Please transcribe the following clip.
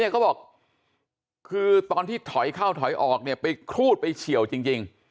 เขาบอกคือตอนที่ถอยเข้าถอยออกไปครูดไปเฉียวจริง